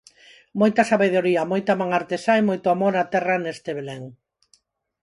Moita sabedoría, moita man artesá e moito amor á terra neste belén.